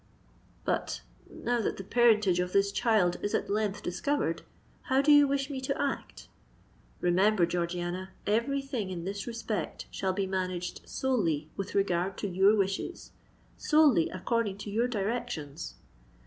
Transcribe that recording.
But—now that the parentage of this child is at length discovered—how do you wish me to act? Remember, Georgiana, every thing in this respect shall be managed solely with regard to your wishes—solely according to your directions.